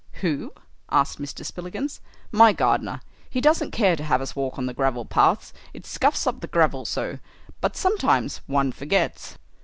"Who?" asked Mr. Spillikins. "My gardener. He doesn't care to have us walk on the gravel paths. It scuffs up the gravel so. But sometimes one forgets."